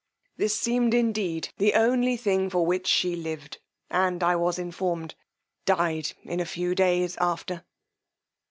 This seemed indeed the only thing for which she lived, and, I was informed, died in a few days after.